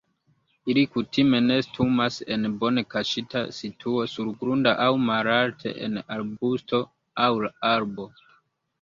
Ili kutime nestumas en bone kaŝita situo surgrunda aŭ malalte en arbusto aŭ arbo.